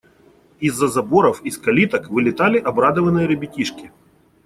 Из-за заборов, из калиток вылетали обрадованные ребятишки.